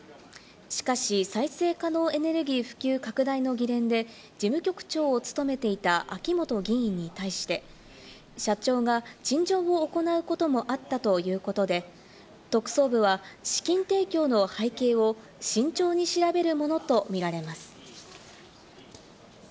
しかし、再生可能エネルギー普及拡大の議連で事務局長を務めていた秋本議員に対して、社長が陳情を行うこともあったということで、特捜部は資金提供の背景を慎重に調べるものとみられます。